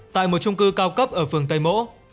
tại một trung cư cao cấp ở phường tây mỗ